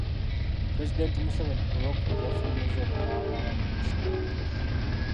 Pulezidenti Museveni ku Lwokubiri yafulumizza olukalala lwa baminisita abapya.